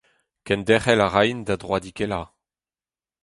Kenderc’hel a raint da droadikellañ.